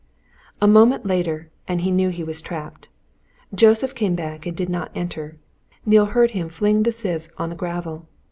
A moment later, and he knew he was trapped. Joseph came back and did not enter. Neale heard him fling the sieve on the gravel.